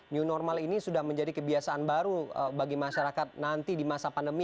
new normal ini sudah menjadi kebiasaan baru bagi masyarakat nanti di masa pandemi